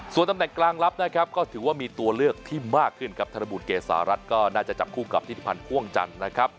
ส่วนตำแหน่งกลางลับนะครับก็ถือว่ามีตัวเลือกที่มากขึ้นครับธนบุตเกษารัฐก็น่าจะจับคู่กับทิศิพันธ์พ่วงจันทร์นะครับ